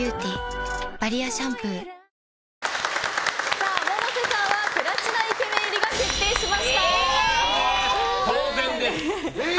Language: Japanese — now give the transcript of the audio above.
さあ、百瀬さんはプラチナイケメン入りが当然です。